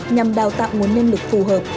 nhằm đào tạo nguồn nhân lực phù hợp